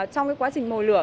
trong quá trình mồi lửa